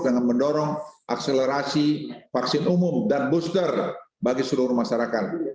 dengan mendorong akselerasi vaksin umum dan booster bagi seluruh masyarakat